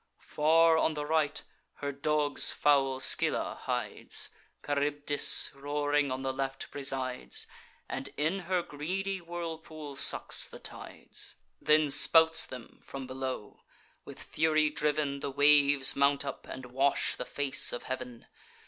Far on the right, her dogs foul Scylla hides: Charybdis roaring on the left presides, And in her greedy whirlpool sucks the tides; Then spouts them from below: with fury driv'n, The waves mount up and wash the face of heav'n.